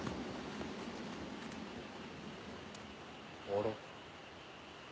おろ？